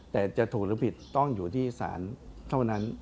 แต่จะถูกหรือผิดต้องอยู่ที่ศาลเท่านั้น